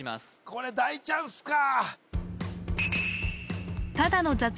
これ大チャンスか！？